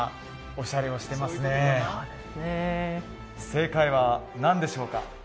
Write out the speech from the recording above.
正解は何でしょうか？